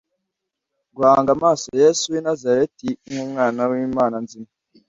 guhanga amaso Yesu w’ i Nazareti nk’Umwana w’Imana nzima,